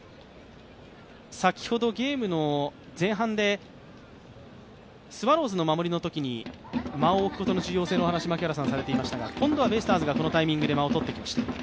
先ほどゲームの前半で、スワローズの守りのときに間を置くことの重要性の話を槙原さんがされていましたが、今度はベイスターズがこのタイミングで間をとってきました。